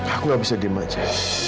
aku nggak bisa diam aja